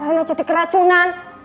rana jadi keracunan